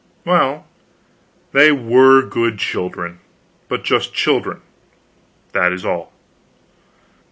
Well, they were good children but just children, that is all.